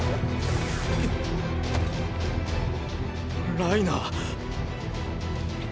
ライナー？